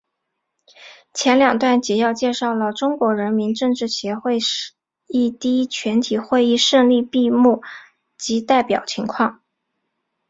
前两段简要介绍了中国人民政治协商会议第一届全体会议胜利闭幕及代表情况。